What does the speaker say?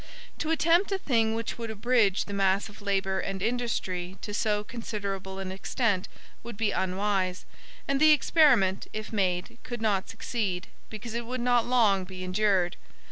To attempt a thing which would abridge the mass of labor and industry to so considerable an extent, would be unwise: and the experiment, if made, could not succeed, because it would not long be endured.